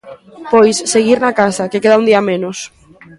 Pois, seguir na casa, que queda un día menos.